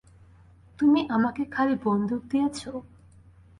তুমি আমাকে খালি বন্দুক দিয়েছো?